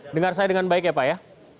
dengar saya dengan baik ya pak ya